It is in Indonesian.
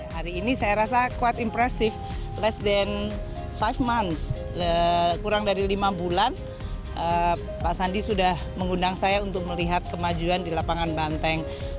hari ini saya rasa quid impressive less than lima kurang dari lima bulan pak sandi sudah mengundang saya untuk melihat kemajuan di lapangan banteng